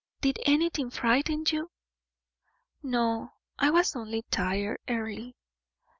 Did anything frighten you?" "No; I was only tired, Earle."